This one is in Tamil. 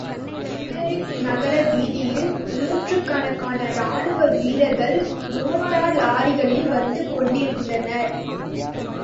லிமெரிக் நகர வீதியில் நூற்றுக்கணக்கான ராணுவ வீரர்கள் மோட்டார் லாரிகளில் வந்து கொண்டிருந்தனர்.